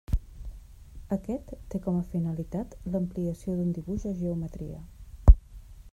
Aquest té com a finalitat l'ampliació d'un dibuix o geometria.